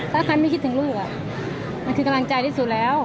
ถ้าใครไม่คิดถึงลูกมันคือกำลังใจที่สุดแล้ว